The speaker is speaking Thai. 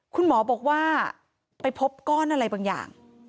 คุณหมอบอกว่าไปพบก้อนอะไรบางอย่าง